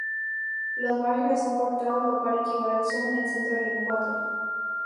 Los márgenes son cortados, lo cual equivale al zum en el centro del encuadre.